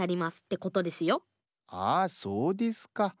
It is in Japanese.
そうですか。